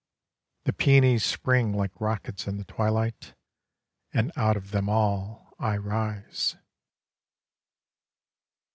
The peonies spring like rockets in the twilight, And out of them all I rise.